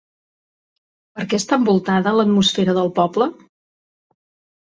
Per què està envoltada l'atmosfera del poble?